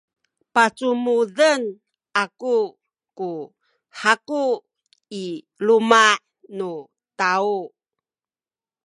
pacumuden aku ku haku i luma’ nu taw.